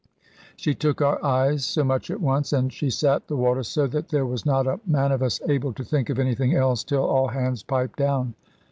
She took our eyes so much at once, and she sat the water so, that there was not a man of us able to think of anything else till all hands piped down.